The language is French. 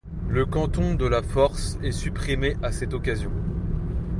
Le canton de la Force est supprimé à cette occasion.